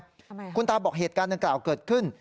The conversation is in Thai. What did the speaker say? ทำไมคุณตาบอกเหตุการณ์ดังกล่าวเกิดขึ้น